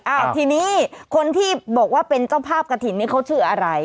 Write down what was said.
อ้าวทีนี้คนที่บอกว่าเป็นเจ้าภาพกระถิ่นนี้เขาชื่ออะไร